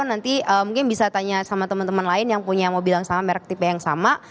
nanti mungkin bisa tanya sama teman teman lain yang punya mobil yang sama merek tipe yang sama